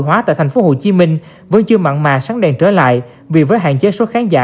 hóa tại thành phố hồ chí minh vẫn chưa mặn mà sáng đèn trở lại vì với hạn chế số khán giả